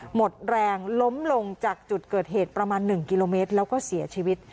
หมดแรงล้มลงจากจุดเกิดเหตุประมาณ๑กิโลเมตรแล้วก็เสียชีวิต